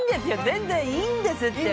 全然いいんですって！